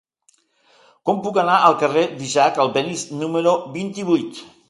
Com puc anar al carrer d'Isaac Albéniz número vint-i-vuit?